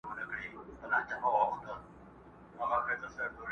یو څه یاران یو څه غونچې ووینو!!